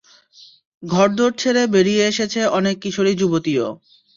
ঘরদোর ছেড়ে বেরিয়ে এসেছে অনেক কিশোরী যুবতীও।